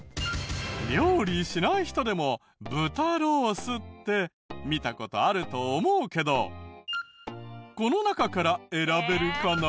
料理しない人でも豚ロースって見た事あると思うけどこの中から選べるかな？